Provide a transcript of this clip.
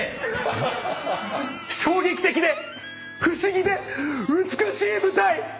衝撃的で不思議で美しい舞台！